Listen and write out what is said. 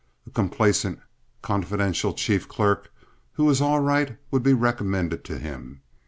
A complacent, confidential chief clerk who was all right would be recommended to him.